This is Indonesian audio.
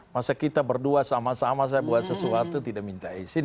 masa kita berdua sama sama saya buat sesuatu tidak minta izin